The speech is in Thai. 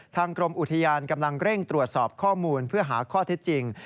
กรมอุทยานกำลังเร่งตรวจสอบข้อมูลเพื่อหาข้อเท็จจริง